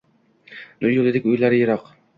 Nur yo’lidek o’ylari yiroq